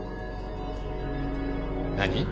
何？